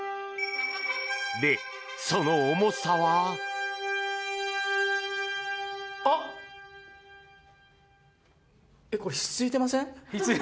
で、その重さは。これひっついていません？